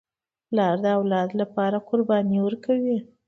پلار د اولاد لپاره قرباني ورکوي.